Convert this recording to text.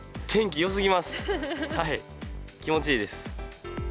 気持ちいいです。